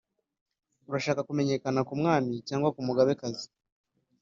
Urashaka kumenyekana ku mwami cyangwa kumugabekazi